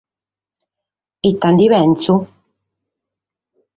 Ite nde penso?